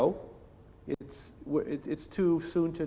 sudah terlalu lama untuk tahu hasilnya